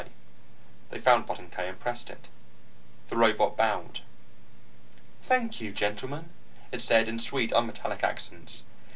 They found button K, and pressed it. The robot bowed. "Thank you, gentlemen," it said, in sweet, unmetallic accents.